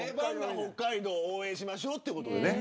北海道を応援しましょうということで。